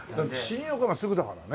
新横浜すぐだからね。